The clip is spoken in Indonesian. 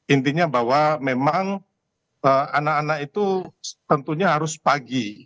intinya bahwa memang anak anak itu tentunya harus pagi